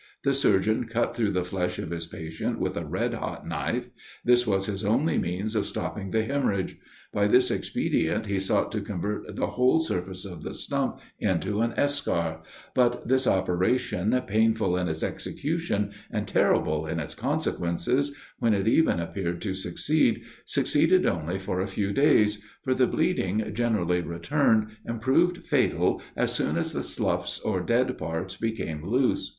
The surgeon cut through the flesh of his patient with a red hot knife: this was his only means of stopping the hemorrhage: by this expedient he sought to convert the whole surface of the stump into an eschar: but this operation, painful in its execution, and terrible in its consequences, when it even appeared to succeed, succeeded only for a few days; for the bleeding generally returned, and proved fatal as soon as the sloughs or dead parts became loose.